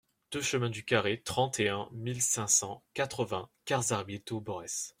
deux chemin du Carrey, trente et un mille cinq cent quatre-vingts Cazaril-Tambourès